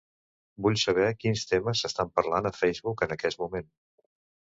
Vull saber quins temes s'estan parlant a Facebook en aquest moment.